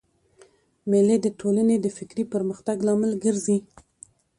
مېلې د ټولني د فکري پرمختګ لامل ګرځي.